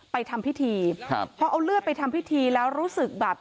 ทำพิธีครับพอเอาเลือดไปทำพิธีแล้วรู้สึกแบบ